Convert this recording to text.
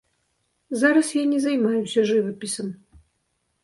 Зараз я не займаюся жывапісам.